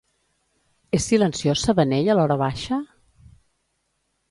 És silenciós Sabanell a l'horabaixa?